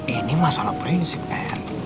ini masalah prinsip er